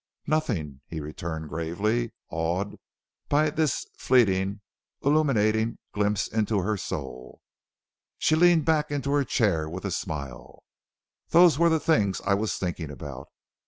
"Nothing," he returned gravely, awed by this fleeting illuminating glimpse into her soul. She leaned back into her chair with a smile. "Those were the things I was thinking about.